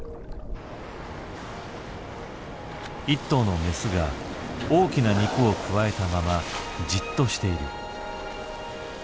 １頭のメスが大きな肉をくわえたままじっとしている。